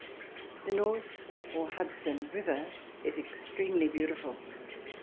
The North or Hudson River Is extremely beautiful.